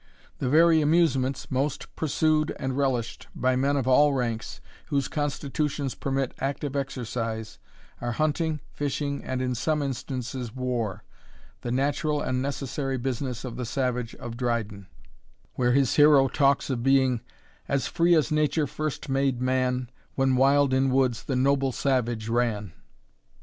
The very amusements most pursued and relished by men of all ranks, whose constitutions permit active exercise, are hunting, fishing, and, in some instances, war, the natural and necessary business of the savage of Dryden, where his hero talks of being "As free as nature first made man, When wild in woods the noble savage ran."